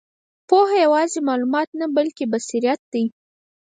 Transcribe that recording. پوهه یوازې معلومات نه، بلکې بصیرت دی.